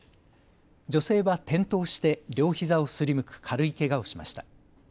女性は転倒して両ひざをすりむく軽いけがをしました。